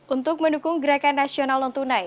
untuk mendukung gerakan nasional non tunai